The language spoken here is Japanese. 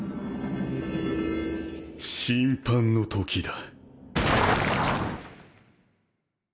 審判の時だ。